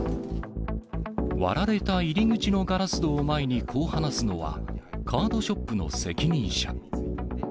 割られた入り口のガラス戸を前にこう話すのは、カードショップの責任者。